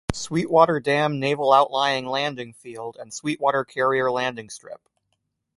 Sweetwater Dam Naval Outlying Landing Field and Sweetwater Carrier Landing Strip.